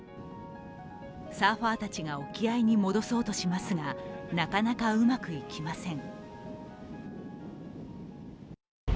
サーファーたちが沖合に戻そうとしますがなかなかうまくいきません。